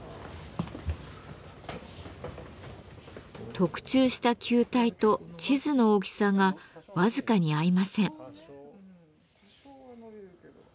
特注した球体と地図の大きさが僅かに合いません。